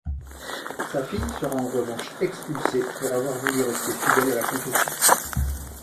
Sa fille sera en revanche expulsée pour avoir voulu rester fidèle à la confession.